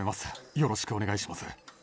よろしくお願いします